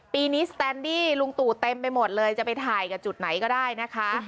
ปีนี้สแตนดี้ลุงตู่เต็มไปหมดเลยจะไปถ่ายกับจุดไหนก็ได้นะคะ